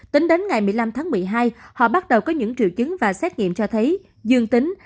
tính đến ngày một mươi năm tháng một mươi hai họ bắt đầu có những triệu chứng và xét nghiệm cho thấy dương tính